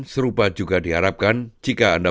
serupa juga diharapkan jika anda